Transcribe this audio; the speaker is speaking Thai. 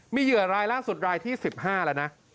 มีเหยื่อรายล่าสุดรายที่๑๕แล้วนะ